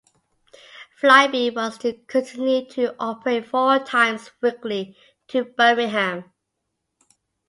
Flybe was to continue to operate four times weekly to Birmingham.